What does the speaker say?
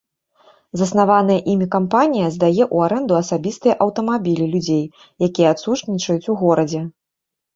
Заснаваная імі кампанія здае ў арэнду асабістыя аўтамабілі людзей, якія адсутнічаюць у горадзе.